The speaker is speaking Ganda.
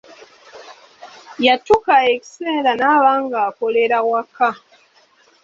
Yatuuka ekiseera n'aba ng'akolera waka.